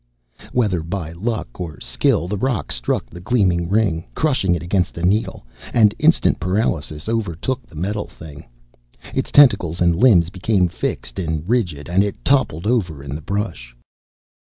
Whether by luck or skill, the rock struck the gleaming ring, crushing it against the needle and instant paralysis overtook the metal thing. Its tentacles and limbs became fixed and rigid, and it toppled over in the brush.